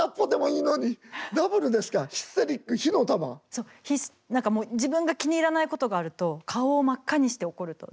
そう何かもう自分が気に入らないことがあると顔を真っ赤にして怒ると。